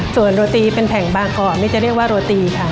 ส่วนโรตีเป็นแผงบางคอนี่จะเรียกว่าโรตีค่ะ